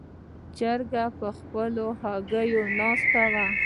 چرګه په خپلو هګیو ناستې وه.